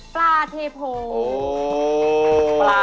ปลาเทพง